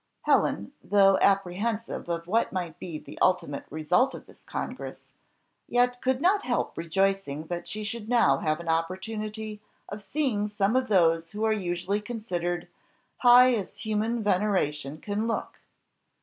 Helen, though apprehensive of what might be the ultimate result of this congress, yet could not help rejoicing that she should now have an opportunity of seeing some of those who are usually considered "high as human veneration can look."